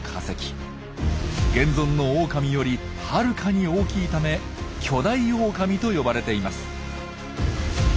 現存のオオカミよりはるかに大きいため「巨大オオカミ」と呼ばれています。